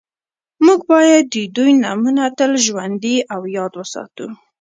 موږ باید د دوی نومونه تل ژوندي او یاد وساتو